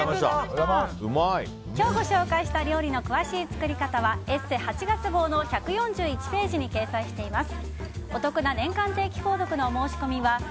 今日ご紹介した料理の詳しい作り方は「ＥＳＳＥ」８月号の１４１ページに掲載しています。